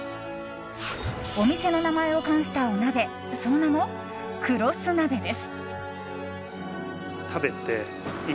お店の名前を冠したお鍋その名も食労寿鍋です。